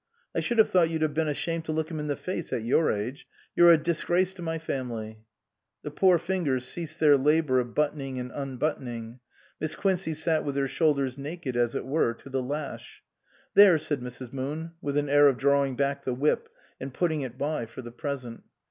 I should have thought you'd have been ashamed to look him in the face at your age. You're a disgrace to my family !" The poor fingers ceased their labour of buttoning and unbuttoning ; Miss Quincey sat with her shoulders naked as it were to the lash. " There !" said Mrs. Moon with an air of drawing back the whip and putting it by for the present.